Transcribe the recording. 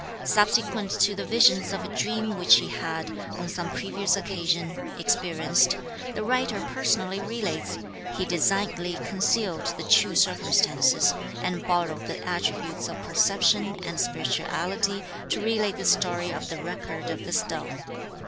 Subsequent to the visions of a dream which he had, on some previous occasion, experienced, the writer personally relates, he designedly concealed the true circumstances, and borrowed the attributes of perception and spirituality to relate this story of the Record of the Stone.